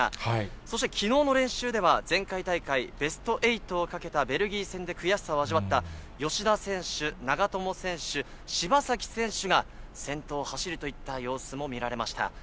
そしてきのうの練習では、前回大会ベスト８を懸けたベルギー戦で悔しさを味わった吉田選手、長友選手、柴崎選手が先頭を走るといった様子も見られました。